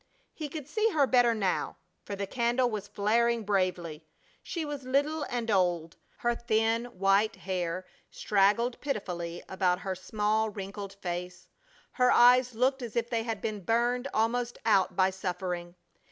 He could see her better now, for the candle was flaring bravely. She was little and old. Her thin, white hair straggled pitifully about her small, wrinkled face, her eyes looked as if they had been burned almost out by suffering.